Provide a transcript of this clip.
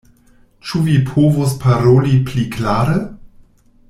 Ĉu vi povus paroli pli klare?